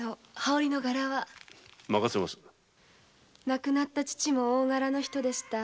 亡くなった父も大柄の人でした。